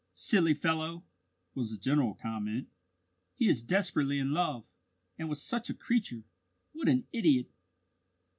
"Silly fellow!" was the general comment. "He is desperately in love! And with such a creature! What an idiot!"